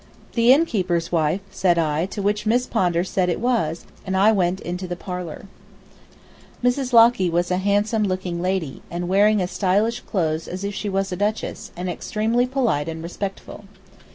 "The innkeeper's wife?" said I; to which Miss Pondar said it was, and I went into the parlor. Mrs. Locky was a handsome looking lady, and wearing as stylish clothes as if she was a duchess, and extremely polite and respectful.